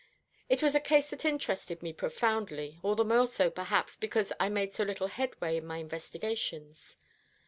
"It was a case that interested me profoundly, all the more so, perhaps, because I made so little headway in my investigations.